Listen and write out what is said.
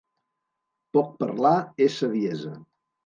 Poc parlar és saviesa.